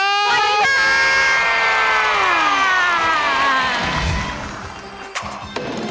สวัสดีค่ะ